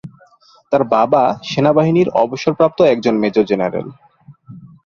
তার বাবা সেনাবাহিনীর অবসরপ্রাপ্ত একজন মেজর জেনারেল।